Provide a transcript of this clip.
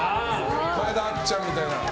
前田あっちゃんみたいな。